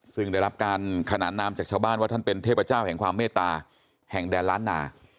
ซึ่งได้รับการขนานนามจากชาวบ้านว่าท่านเป็นเทพเจ้าแห่งความเมตตาแห่งแดนล้านนา